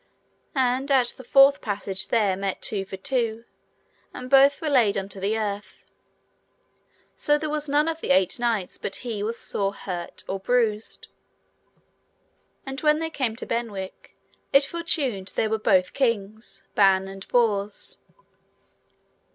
And at the fourth passage there met two for two, and both were laid unto the earth; so there was none of the eight knights but he was sore hurt or bruised. And when they come to Benwick it fortuned there were both kings, Ban and Bors.